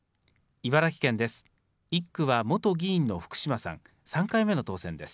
茨城県です。